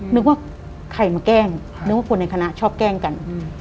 นึกว่าใครมาแกล้งนึกว่าคนในคณะชอบแกล้งกัน